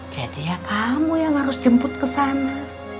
jadi ya kamu yang harus jemput ke sana